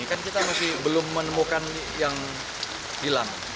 kan kita masih belum menemukan yang hilang